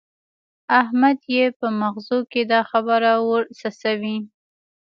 احمد يې په مغزو کې دا خبره ور څڅوي.